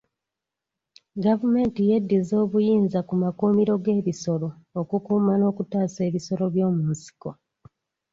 Gavumenti yeddiza obuyinza ku makuumiro g'ebisolo okukuuma n'okutaasa ebisolo by'omu nsiko.